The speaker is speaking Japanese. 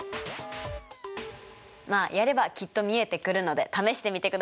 まあやればきっと見えてくるので試してみてください。